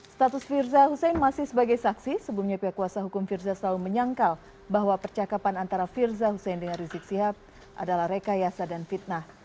status firza hussein masih sebagai saksi sebelumnya pihak kuasa hukum firza selalu menyangkal bahwa percakapan antara firza hussein dengan rizik sihab adalah rekayasa dan fitnah